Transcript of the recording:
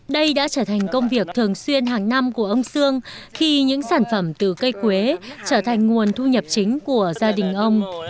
đây đã trở thành công việc thường xuyên hàng năm của ông sương khi những sản phẩm từ cây quế trở thành nguồn thu nhập chính của gia đình ông